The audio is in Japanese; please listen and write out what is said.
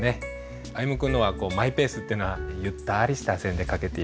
歩夢君のはマイペースっていうのはゆったりした線で書けています。